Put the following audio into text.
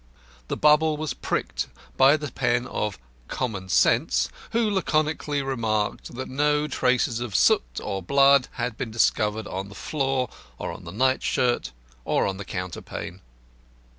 The bubble was pricked by the pen of "Common Sense," who laconically remarked that no traces of soot or blood had been discovered on the floor, or on the nightshirt, or the counterpane.